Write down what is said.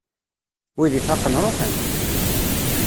Wid ifaqen ṛuḥen!